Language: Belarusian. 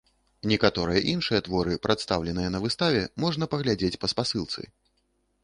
Некаторыя іншыя творы, прадстаўленыя на выставе, можна паглядзець па спасылцы.